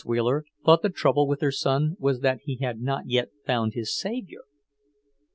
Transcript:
Wheeler thought the trouble with her son was that he had not yet found his Saviour.